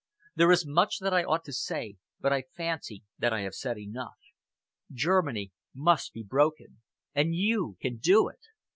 There is much that I ought to say, but I fancy that I have said enough. Germany must be broken, and you can do it.